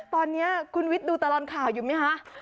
ตอนนี้คุณวิทย์ดูตลอดข่าวอยู่ไหมคะ